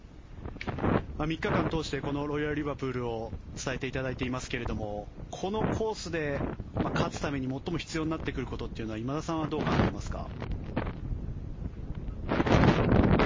３日間通してロイヤル・リバプールを伝えていただいていますがこのコースで勝つために最も必要になってくることというのは今田さんはどう考えますか？